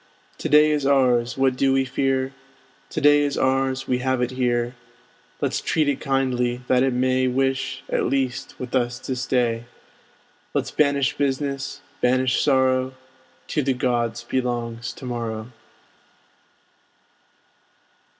To day is ours, what do we fear? To day is ours; we have it here: Let's treat it kindly, that it may Wish, at least, with us to stay. Let's banish business, banish sorrow; To the gods belongs to morrow.